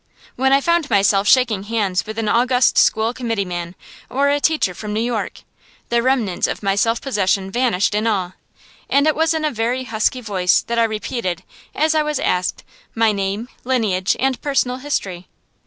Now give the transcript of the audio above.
When I found myself shaking hands with an august School Committeeman, or a teacher from New York, the remnants of my self possession vanished in awe; and it was in a very husky voice that I repeated, as I was asked, my name, lineage, and personal history.